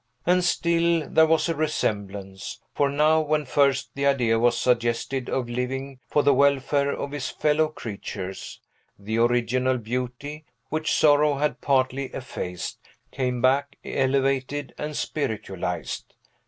And still there was a resemblance; for now, when first the idea was suggested of living for the welfare of his fellow creatures, the original beauty, which sorrow had partly effaced, came back elevated and spiritualized.